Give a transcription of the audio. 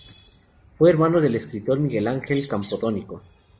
Fue hermano del escritor Miguel Ángel Campodónico.